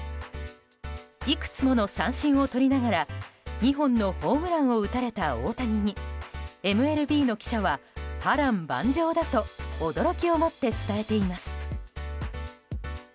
いくつもの三振をとりながら２本のホームランを打たれた大谷にＭＬＢの記者は波瀾万丈だと驚きをもって伝えています。